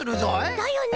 だよね！